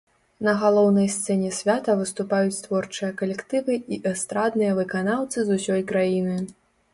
На галоўнай сцэне свята выступаюць творчыя калектывы і эстрадныя выканаўцы з усёй краіны.